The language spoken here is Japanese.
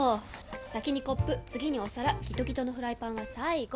先にコップ次にお皿ギトギトのフライパンは最後！